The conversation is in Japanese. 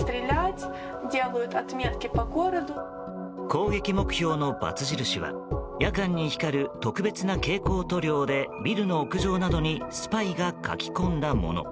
攻撃目標のバツ印は夜間に光る特別な蛍光塗料でビルの屋上などにスパイが書き込んだもの。